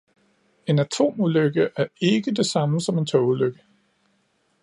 En atomulykke er ikke det samme som en togulykke.